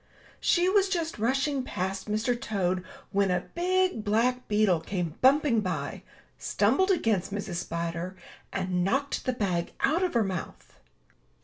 She was just rushing past Mr. Toad when a big black beetle came bumping by, stumbled against Mrs. Spider, and knocked the bag out of her mouth.